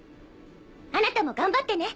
あなたも頑張ってね。